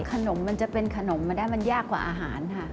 ขนมมันจะเป็นขนมแดดมันยากกว่าอาหาร